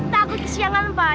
takut kesiangan pak